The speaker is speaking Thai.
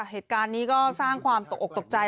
เหตุการณ์นี้ก็สร้างความตกออกตกใจ